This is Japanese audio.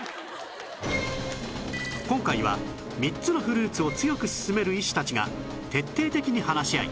今回は３つのフルーツを強く薦める医師たちが徹底的に話し合い